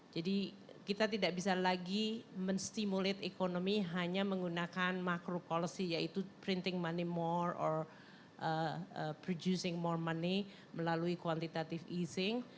jadi kita tidak bisa lagi men stimulate economy hanya menggunakan macro policy yaitu printing money more or producing more money melalui quantitative easing